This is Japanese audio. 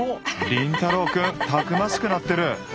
凛太郎くんたくましくなってる！